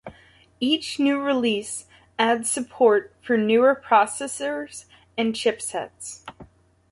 Each new release adds support for newer processors and chipsets.